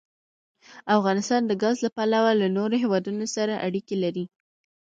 افغانستان د ګاز له پلوه له نورو هېوادونو سره اړیکې لري.